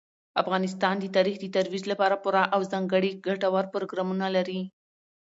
افغانستان د تاریخ د ترویج لپاره پوره او ځانګړي ګټور پروګرامونه لري.